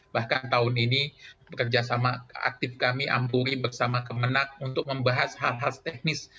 bahkan tahun ini bekerja sama aktif kami ampuri bersama kemenang untuk membahas hal hal teknis